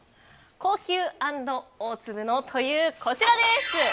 高級＆大粒のというこちら。